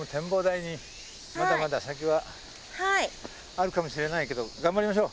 まだまだ先はあるかもしれないけど頑張りましょう！